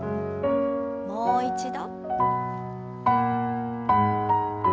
もう一度。